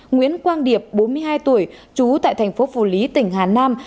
nguyễn quang điệp bốn mươi hai tuổi chú tại thành phố phù lý tỉnh hà nam